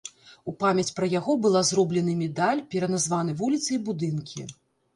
У памяць пра яго была зроблены медаль, пераназваны вуліцы і будынкі.